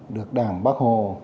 được đảng bác hồ